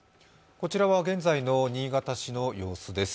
こちらは現在の新潟市の様子です。